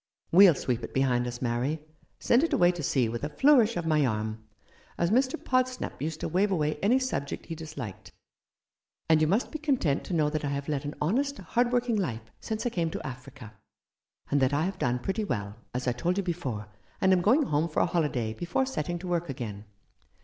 We'll sweep it behind us, Mary — send it away to sea with a flourish of my arm — as Mr. Podsnap used to wave away any subject he disliked ; and you must be content to know that I have led an honest, hard working life since I came to Africa, and that I have done pretty well — as I told you before — and am going home for a holiday before setting to work again."